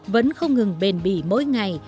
vẫn không ngừng bền bỉ mỗi ngày